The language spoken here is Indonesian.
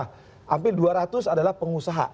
hampir dua ratus adalah pengusaha